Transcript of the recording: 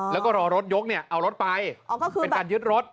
แล้วก็รอรถยกเนี่ยเอารถไปเป็นการยึดรถ